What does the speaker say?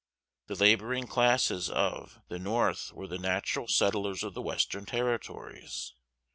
The laboring classes of, the North were the natural settlers of the western Territories.